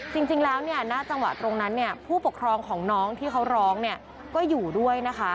จริงแล้วน่าจังหวะตรงนั้นผู้ปกครองของน้องที่เขาร้องก็อยู่ด้วย